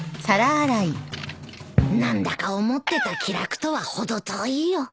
何だか思ってた気楽とはほど遠いよ。